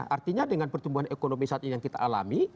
artinya dengan pertumbuhan ekonomi saat ini yang kita alami